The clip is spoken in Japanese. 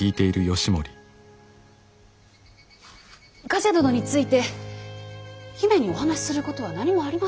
冠者殿について姫にお話しすることは何もありません。